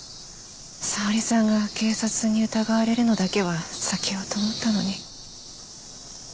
沙織さんが警察に疑われるのだけは避けようと思ったのに。